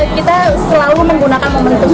kita selalu menggunakan menu ini